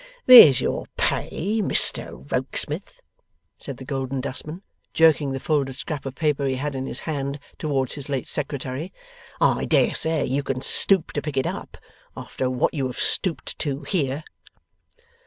'There's your pay, Mister Rokesmith,' said the Golden Dustman, jerking the folded scrap of paper he had in his hand, towards his late Secretary. 'I dare say you can stoop to pick it up, after what you have stooped to here.